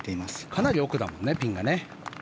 かなり奥だもんねピンが。